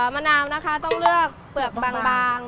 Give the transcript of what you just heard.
มะนาวนะคะต้องเลือกเปลือกบาง